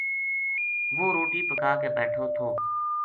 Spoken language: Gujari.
وہ روٹی پکا کے بیٹھو تھو